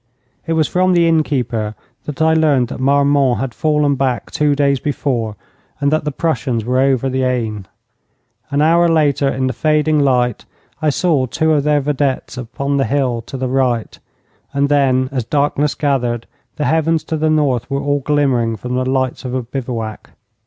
It was from the innkeeper that I learned that Marmont had fallen back two days before, and that the Prussians were over the Aisne. An hour later, in the fading light, I saw two of their vedettes upon the hill to the right, and then, as darkness gathered, the heavens to the north were all glimmering from the lights of a bivouac.